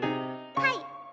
はい！